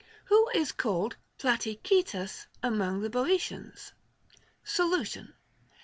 Who is called Platychaetas among the Boeotians \ Solution.